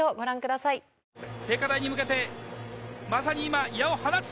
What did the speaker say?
聖火台に向けて、まさに今、矢を放つ。